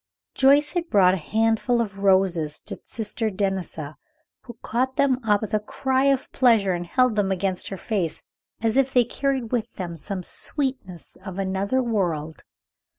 Joyce had brought a handful of roses to Sister Denisa, who caught them up with a cry of pleasure, and held them against her face as if they carried with them some sweetness of another world.